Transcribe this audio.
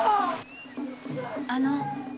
あの。